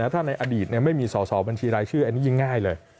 ถ้าในอดีตไม่มีสอสอบัญชีรายชื่ออันนี้ยิ่งง่ายเลย